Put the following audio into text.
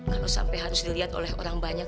kalau sampai harus dilihat oleh orang banyak